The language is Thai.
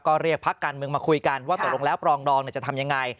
ก็เรียกพักการเมืองมาคุยกันว่าตกลงแล้วปรองดองจะทำยังไง